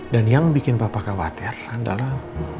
dan yang bikin papa khawatir adalah